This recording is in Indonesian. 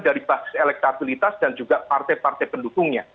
dari basis elektabilitas dan juga partai partai pendukungnya